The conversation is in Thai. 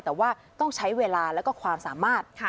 แต่ว่าต้องใช้เวลาแล้วก็ความสามารถ